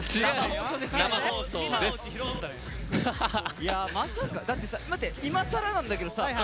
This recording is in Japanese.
いやまさかだってさ待っていまさらなんだけどさ